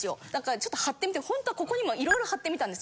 ちょっと貼ってみてホントはここにも色々貼ってみたんですよ。